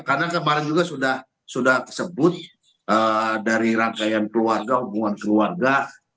karena kemarin juga sudah tersebut dari rangkaian keluarga hubungan keluarga